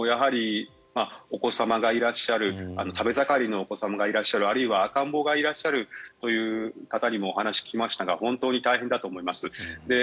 お子様がいらっしゃる食べ盛りのお子様がいらっしゃるあるいは赤ん坊がいらっしゃる方にもお話を聞きましたが本当に大変だと思います。